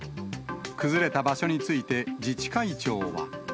崩れた場所について自治会長は。